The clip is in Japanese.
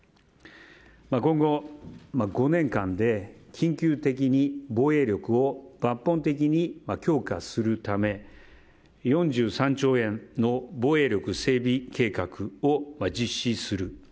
今後、５年間で緊急的に防衛力を抜本的に強化するため４３兆円の防衛力整備計画を実施する。